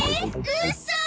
うそ！？